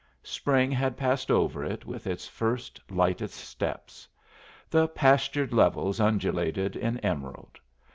Spring had passed over it with its first, lightest steps. The pastured levels undulated in emerald.